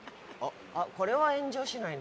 「これは炎上しないね」